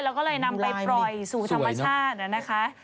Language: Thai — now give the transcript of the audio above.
แล้วก็เลยนำไปปล่อยสู่ธรรมชาตินะคะ